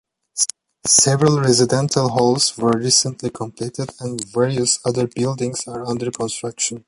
Several residential halls were recently completed, and various other buildings are under construction.